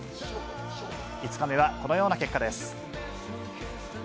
５日目はこのような結果です。